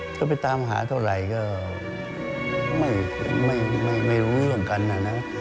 ถ้าไปตามหาเท่าไหร่ก็ไม่รู้เรื่องกันนะนะ